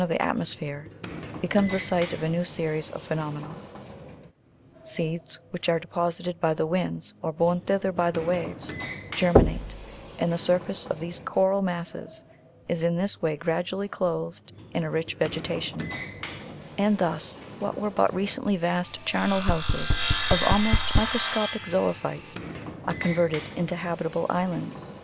of the atmosphere, becomes the site of a new series of phenomena ; seeds, which are deposited by the winds, or borne thither by the waves, germinate, and the surface of these coral masses is in this way gradually clothed in a rich vegetation ; and thus, what were but recently vast charnel houses of almost micro sc [ ic zo'ophytes, are converted into habitable islands.